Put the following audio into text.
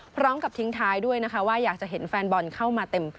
พร้อมกับทิ้งท้ายด้วยนะคะว่าอยากจะเห็นแฟนบอลเข้ามาเต็ม